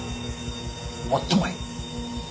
もっともや。